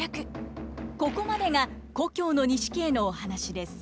ここまでが「旧錦絵」のお話です。